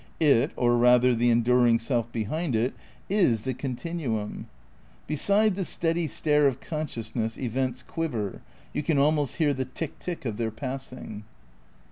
It, or rather the enduring self behind it, is the continuum. Beside the steady stare of consciousness events quiver, you can almost hear the tick tick of their passing.